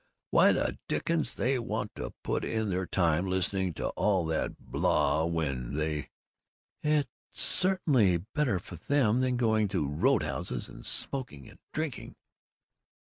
Why the dickens they want to put in their time listening to all that blaa when they " "It's certainly better for them than going to roadhouses and smoking and drinking!"